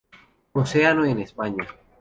Oceano en España.